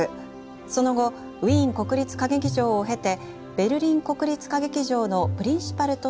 その後ウィーン国立歌劇場を経てベルリン国立歌劇場のプリンシパルとしてご活躍されました。